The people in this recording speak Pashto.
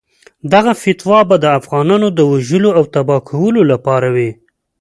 دغه فتوا به د افغانانو د وژلو او تباه کولو لپاره وي.